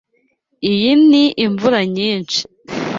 Iyi ni imvura nyinshi.